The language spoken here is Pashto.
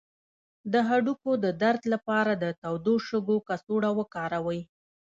د هډوکو د درد لپاره د تودو شګو کڅوړه وکاروئ